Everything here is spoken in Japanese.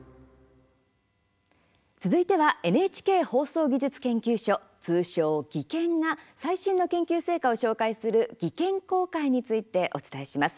続いてはＮＨＫ放送技術研究所通称、技研が最新の研究成果を紹介する技研公開について、お伝えします。